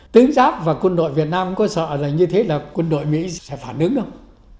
tướng giáp và quân đội việt nam có sợ là như thế là quân đội mỹ sẽ phản ứng không